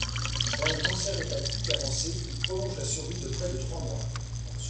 Dans les cancers hépatiques avancés, il prolonge la survie de près de trois mois.